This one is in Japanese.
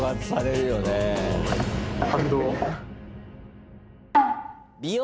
感動。